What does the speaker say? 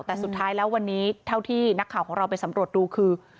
แต่สุดท้ายแล้ววันนี้เท่าที่นักข่าวของเราไปสำรวจดูคือ